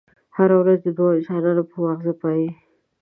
هره ورځ د دوو انسانانو په ماغزو پايي.